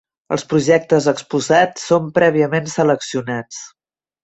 Els projectes exposats són prèviament seleccionats.